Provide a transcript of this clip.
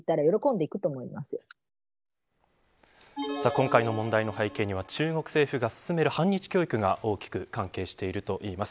今回の問題の背景には中国政府が進める反日教育が大きく関係してるといえます。